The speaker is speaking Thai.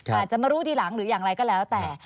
อาจจะมารู้ทีหลังหรืออย่างไรก็แล้วแต่